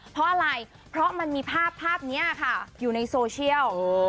เพราะอะไรเพราะมันมีภาพภาพนี้ค่ะอยู่ในโซเชียล